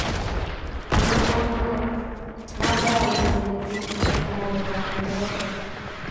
Angot kou notok, maakaran anendet eng' ng'alalet ap kingeresa.